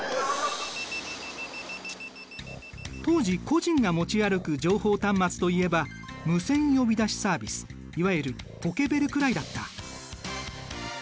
当時個人が持ち歩く情報端末といえばいわゆるポケベルくらいだった。